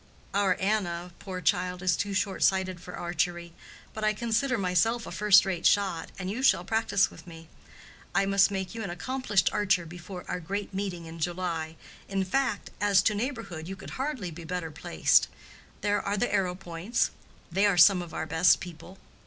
"Our Anna, poor child, is too short sighted for archery. But I consider myself a first rate shot, and you shall practice with me. I must make you an accomplished archer before our great meeting in July. In fact, as to neighborhood, you could hardly be better placed. There are the Arrowpoints—they are some of our best people.